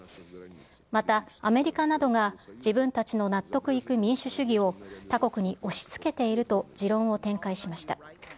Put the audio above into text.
またアメリカなどが自分たちの納得いく民主主義を他国に押しつけていると持論を展開しました。